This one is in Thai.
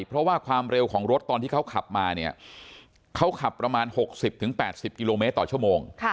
เพราะว่าความเร็วของรถตอนที่เขาขับมาเนี่ยเขาขับประมาณ๖๐๘๐กิโลเมตรต่อชั่วโมง